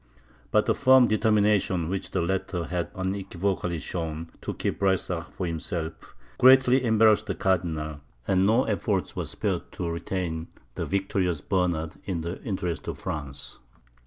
But the firm determination which the latter had unequivocally shown, to keep Breysach for himself, greatly embarrassed the cardinal, and no efforts were spared to retain the victorious Bernard in the interests of France.